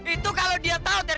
itu kalo dia tau ter